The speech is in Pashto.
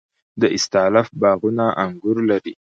د استالف باغونه انګور لري.